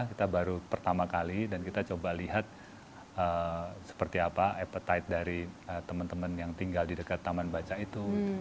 kita baru pertama kali dan kita coba lihat seperti apa appetite dari teman teman yang tinggal di dekat taman baca itu